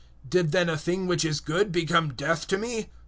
007:013 Did then a thing which is good become death to me?